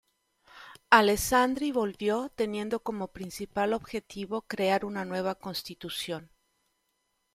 Alessandri volvió, teniendo como principal objetivo crear una nueva constitución.